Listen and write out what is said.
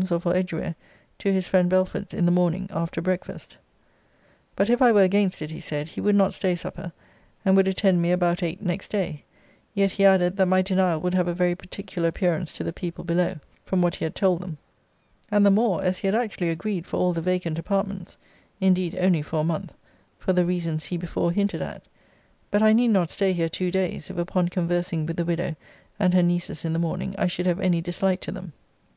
's, or for Edgeware, to his friend Belford's, in the morning, after breakfast. But if I were against it, he said, he would not stay supper; and would attend me about eight next day yet he added, that my denial would have a very particular appearance to the people below, from what he had told them; and the more, as he had actually agreed for all the vacant apartments, (indeed only for a month,) for the reasons he before hinted at: but I need not stay here two days, if, upon conversing with the widow and her nieces in the morning, I should have any dislike to them.